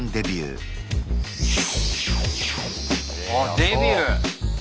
あデビュー！